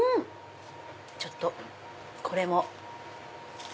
ちょっとこれも。